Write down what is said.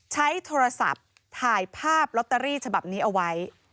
ใช้โทรศัพท์ถ่ายภาพลอตเตอรี่ฉบับนี้เอาไว้